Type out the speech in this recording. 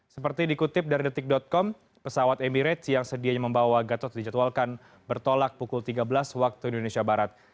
seperti dikutip dari detik com pesawat emirates yang sedianya membawa gatot dijadwalkan bertolak pukul tiga belas waktu indonesia barat